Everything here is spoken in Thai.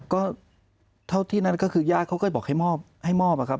ก็เท่าที่นั่นก็คือญาติเขาก็บอกให้มอบให้มอบอะครับ